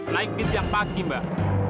naik bis yang pagi mbak